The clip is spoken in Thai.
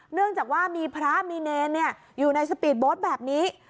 เนื่องจากว่ามีพระมีเนรอยู่ในสปีดโบ๊ทแบบนี้